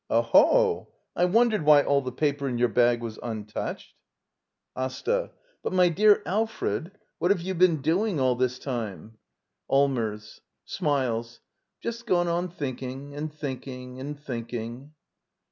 Ohol I wondered why all the paper in your bag was untouched! d by Google LITTLE EYOLF ^ Act i. ASTA. But, my dear Alfred, what have you been doing all this time? Allmers, [Smiles.] Just gone on thinking and thinking and thinking.